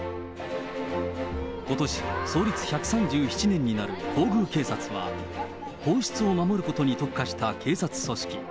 ことし創立１３７年になる皇宮警察は、皇室を守ることに特化した警察組織。